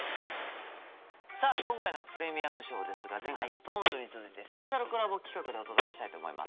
さあ今回の「ＰＲＥＭＩＵＭＳＨＯＷ」ですが前回のＳｉｘＴＯＮＥＳに続いてスペシャルコラボ企画でお届けしたいと思います。